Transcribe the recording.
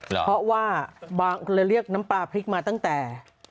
เพราะว่าบางคนเรียกน้ำปลาพริกมาตั้งแต่